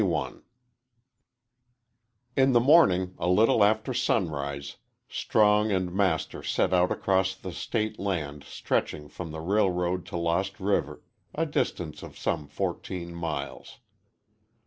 "_ XXI IN the morning, a little after sunrise, Strong and Master set out across the State land stretching from the railroad to Lost River, a distance of some fourteen miles.